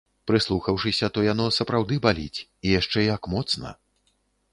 Прыслухаўшыся, то яно сапраўды баліць, і яшчэ як моцна.